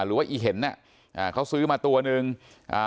อีเห็นอ่ะอ่าเขาซื้อมาตัวหนึ่งอ่า